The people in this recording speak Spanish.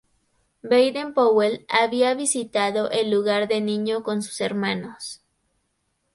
Baden-Powell había visitado el lugar de niño con sus hermanos.